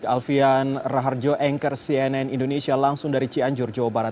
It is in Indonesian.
alfian raharjo anchor cnn indonesia langsung dari cianjur jawa barat